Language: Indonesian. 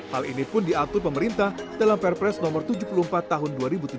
hal ini pun diatur pemerintah dalam perpres no tujuh puluh empat tahun dua ribu tujuh belas